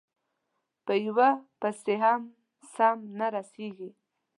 په یوه پسې هم سم نه رسېږي،